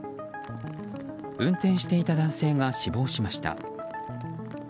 運転していた男性が死亡しました。